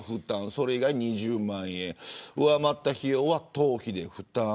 それ以外は２０万円上回った費用は党費で負担。